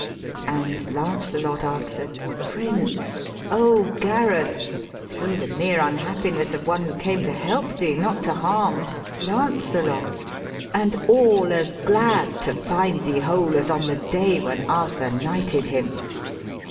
And Lancelot an swer'd, ' Prince, 'O Gareth thro' the mere unhappiness Of one who came to help thee, not to harm, Lancelot, and all as glad to find thee whole, As on the day when Arthur knighted him.